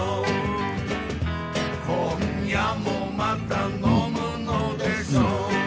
「今夜もまた呑むのでしょう」